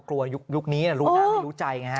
กลัวยุคนี้ลูกล้าน่าไม่รู้ใจไง